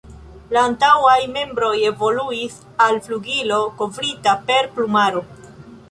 La antaŭaj membroj evoluis al flugilo kovrita per plumaro.